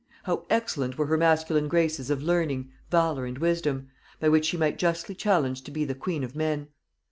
How excellent were her masculine graces of learning, valor and wisdom, by which she might justly challenge to be the queen of men!